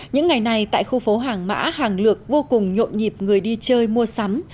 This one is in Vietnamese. những ngày này tại khu phố hàng mã hàng lược vô cùng nhộn nhịp người đi chơi mua sắm